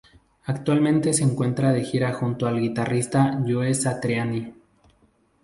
Actualmente se encuentra de gira junto al guitarrista Joe Satriani.